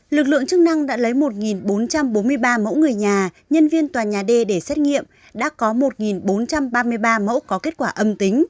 lực lượng chức năng đã lấy một bốn trăm bốn mươi ba mẫu người nhà nhân viên tòa nhà d để xét nghiệm đã có một bốn trăm ba mươi ba mẫu có kết quả âm tính